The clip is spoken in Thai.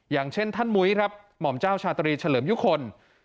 อย่างเช่นท่านมุ้ยครับหม่อมเจ้าชาตรีเฉลิมยุคล